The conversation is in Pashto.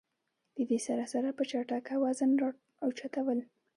د دې سره سره پۀ جټکه وزن را اوچتول